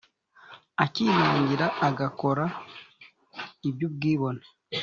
akinangira agakora iby ubwibone